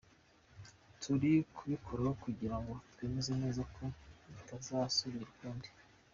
Turi kubikoraho kugira ngo twemeze neza ko bitazasubira ukundi.